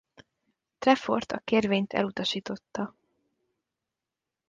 Trefort a kérvényt elutasította.